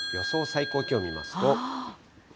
最高気温見ますと。